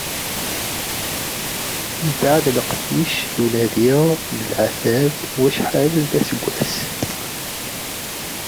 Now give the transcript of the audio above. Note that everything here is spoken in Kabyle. Mbeɛd leqdic d unadi d leɛtab n wacḥal d aseggas.